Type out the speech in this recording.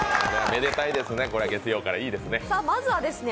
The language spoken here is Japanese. めでたいですね、月曜日から、いいですね。